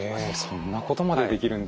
そんなことまでできるんですね。